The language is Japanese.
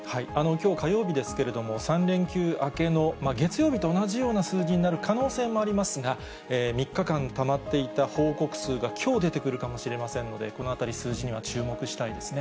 きょう火曜日ですけれども、３連休明けの月曜日と同じような数字になる可能性もありますが、３日間たまっていた報告数がきょう出てくるかもしれませんので、このあたり、数字には注目したいですね。